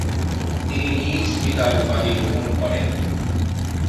তিনি নিজ পিতার উপাধি গ্রহণ করেন।